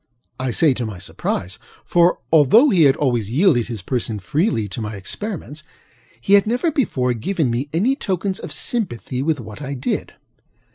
I say to my surprise, for, although he had always yielded his person freely to my experiments, he had never before given me any tokens of sympathy with what I did.